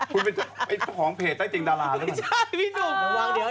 คุณเป็นของเพจใต้เจียงดาราด้วยมั้ย